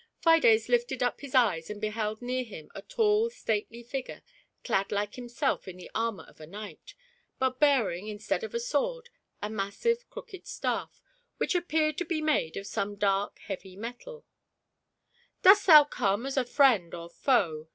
GIAUT PEIDE. Fides lifted up his eyes and beheld oeax him a tall stately figure, clad like himself in the armour of a kuight, but bearing, instead of a sword, a massive crooked sta^ which appeared to be made of some dark heavy metal "Dost thou come bb friend or foe?"